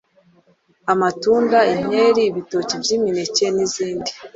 amatunda, inkeri, ibitoki by’imineke n’izindi.